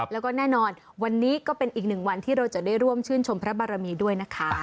แล้วก็แน่นอนวันนี้ก็เป็นอีกหนึ่งวันที่เราจะได้ร่วมชื่นชมพระบารมีด้วยนะคะ